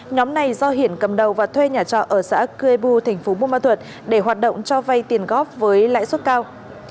nhóm này do hiển cầm đầu và thuê nhà trọ ở xã cuebu tp buôn ma thuật để hoạt động cho vay tiền góp với lãi suất cao